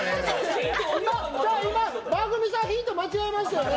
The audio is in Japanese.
今、番組さんヒント間違えましたよね？